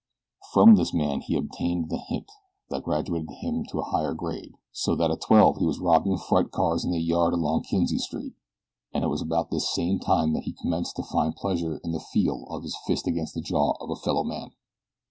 From this man he obtained the hint that graduated him to a higher grade, so that at twelve he was robbing freight cars in the yards along Kinzie Street, and it was about this same time that he commenced to find pleasure in the feel of his fist against the jaw of a fellow man.